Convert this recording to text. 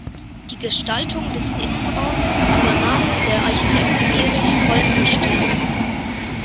Die Gestaltung des Innenraums übernahm der Architekt Erich Boltenstern.